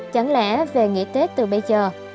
chẳng lẽ về nghỉ tết từ bây giờ